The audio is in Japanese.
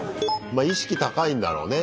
ま意識高いんだろうね